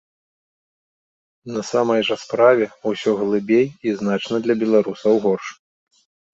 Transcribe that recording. На самай жа справе ўсё глыбей і значна для беларусаў горш.